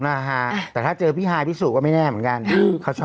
นะฮะแต่ถ้าเจอพี่ฮายพิสุก็ไม่แน่เหมือนกันเขาชอบ